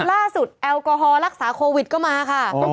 ที่ล่าสุดแอลโกฮอลรักษาโควิดก็มาค่ะ